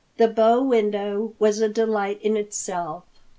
The bow window was a delight in itself.